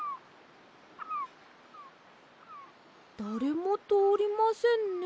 だれもとおりませんね。